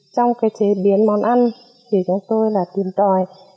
trong chế biến món ăn chúng tôi tìm tòi